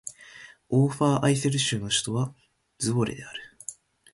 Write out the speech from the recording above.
オーファーアイセル州の州都はズヴォレである